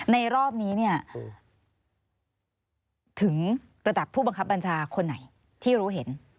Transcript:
รอบนี้เนี่ยถึงระดับผู้บังคับบัญชาคนไหนที่รู้เห็น